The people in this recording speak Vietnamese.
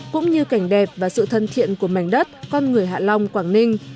cũng như cảnh đẹp và sự thân thiện của mảnh đất con người hạ long quảng ninh